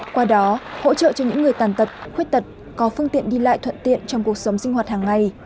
qua đó hỗ trợ cho những người tàn tật khuyết tật có phương tiện đi lại thuận tiện trong cuộc sống sinh hoạt hàng ngày